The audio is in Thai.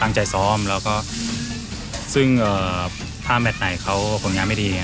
ตั้งใจซ้อมซึ่งถ้าแมทไหนคนงานไม่ดี